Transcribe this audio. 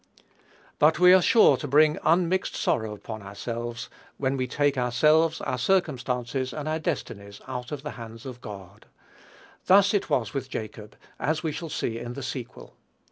But we are sure to bring unmixed sorrow upon ourselves when we take ourselves, our circumstances, or our destinies, out of the hands of God. Thus it was with Jacob, as we shall see in the sequel.